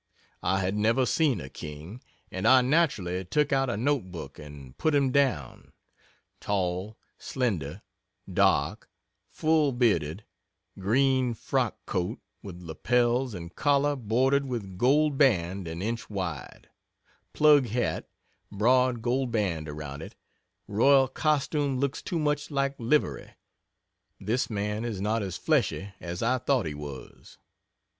I had never seen a king, and I naturally took out a note book and put him down: "Tall, slender, dark, full bearded; green frock coat, with lapels and collar bordered with gold band an inch wide; plug hat, broad gold band around it; royal costume looks too much like livery; this man is not as fleshy as I thought he was."